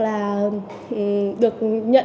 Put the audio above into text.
là được nhận